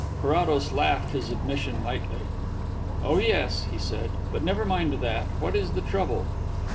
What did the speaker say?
Carrados laughed his admission lightly. "Oh yes," he said. "But never mind that. What is the trouble?"